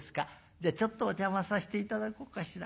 じゃあちょっとお邪魔させて頂こうかしら。